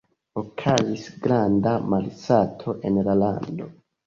Okazis granda malsato en la lando.